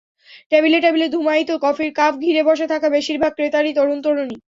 টেবিলে টেবিলে ধূমায়িত কফির কাপ ঘিরে বসে থাকা বেশির ভাগ ক্রেতাই তরুণ–তরুণী।